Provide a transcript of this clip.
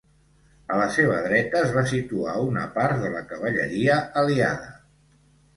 A la seva dreta es va situar una part de la cavalleria aliada.